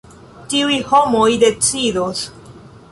Tiuj homoj decidos.